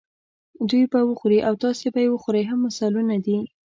دوی به وخوري او تاسې به وخورئ هم مثالونه دي.